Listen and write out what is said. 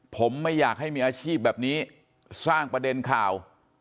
ผมไม่อยากให้มีอาชีพแบบนี้สร้างประเด็นข่าว